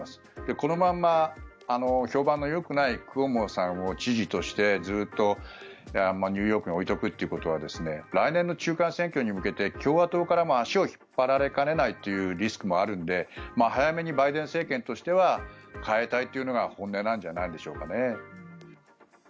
このまま評判のよくないクオモさんを知事としてずっとニューヨークに置いておくということは来年の中間選挙に向けて共和党からも足を引っ張られかねないというリスクもあるので早めにバイデン政権としては代えたいというのが本音なんじゃないでしょうかね。